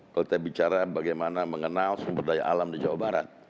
kalau kita bicara bagaimana mengenal sumber daya alam di jawa barat